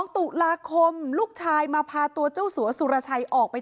๒ตุลาคมลูกชายมาพาตัวเจ้าสัวสุรชัยออกไป